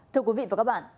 thưa quý vị và các bạn